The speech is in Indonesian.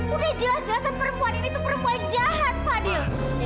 udah jelas jelasan perempuan ini tuh perempuan jahat fadil